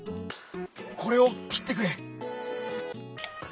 「『これ』をきってくれ」。